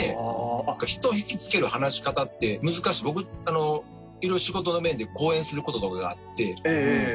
人を惹きつける話し方って難しい僕仕事の面で講演することとかがあって。